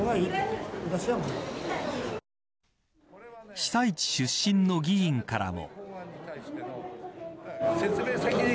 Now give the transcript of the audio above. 被災地出身の議員からも。